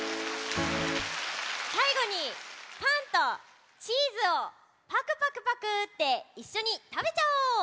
さいごにパンとチーズをパクパクパクパクっていっしょにたべちゃおう！